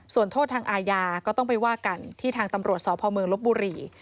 ส่วนโทษทางอาญาก็ต้องไปว่ากันที่ทางตำรวจสพเมืองลบบุรี